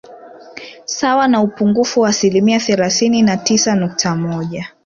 Sawa na upungufu wa asilimia thelathini na tisa nukta moja